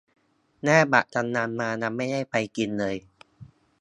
แลกบัตรกำนัลมา ยังไม่ได้ไปกินเลย